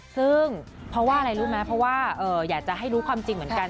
ซึ่งเพราะว่าอะไรรู้ไหมเพราะว่าอยากจะให้รู้ความจริงเหมือนกัน